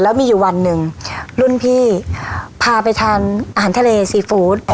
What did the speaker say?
แล้วมีอยู่วันหนึ่งรุ่นพี่พาไปทานอาหารทะเลซีฟู้ด